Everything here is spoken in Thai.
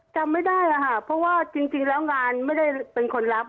จำไม่ได้ค่ะเพราะว่าจริงแล้วงานไม่ได้เป็นคนรับ